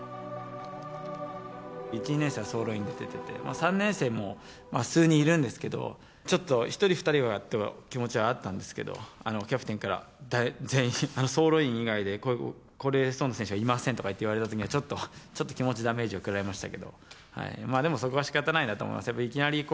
１、２年生は走路員で出てて、３年生も数人いるんですけど、ちょっと１人、２人はという気持ちはあったんですけど、キャプテンから全員、走路員以外で来られそうな選手はいませんとか言われたときはちょっと、ちょっと気持ちダメージは食らいましたけど、でもそこはしかたないなと思いました。